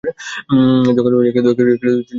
যখন সে তার পিতাকে বলল, হে পিতা!